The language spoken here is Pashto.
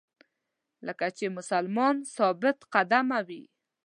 کله چې مسلمان ثابت قدمه وي.